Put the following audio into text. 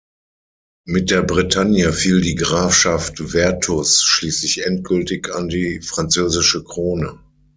Mit der Bretagne fiel die Grafschaft Vertus schließlich endgültig an die französische Krone.